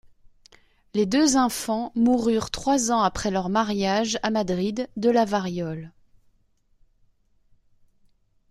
Les deux infants moururent trois ans après leur mariage à Madrid de la variole.